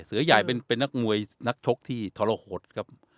เสือใหญ่เป็นนักมวยนักชกที่ทรหดครับ